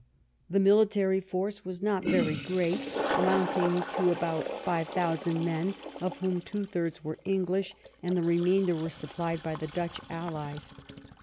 The military force was not very great, amounting only to about five thousand men, of whom two thirds were English and the remainder were supplied by the Dutch allies.